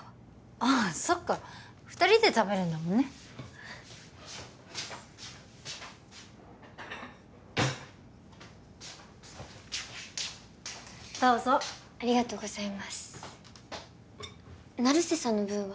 ああそっか二人で食べるんだもんねどうぞありがとうございます成瀬さんの分は？